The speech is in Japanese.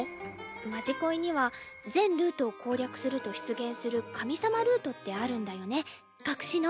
「まじこい」には全ルートを攻略すると出現する神様ルートってあるんだよね隠しの。